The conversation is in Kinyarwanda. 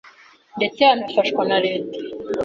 ndetse na afashwa na leta